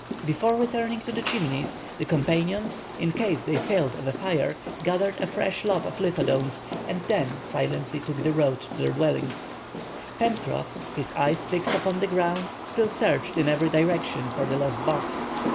Before returning to the Chimneys, the companions, in case they failed of a fire, gathered a fresh lot of lithodomes, and then silently took the road to their dwelling. Pencroff, his eyes fixed upon the ground, still searched in every direction for the lost box.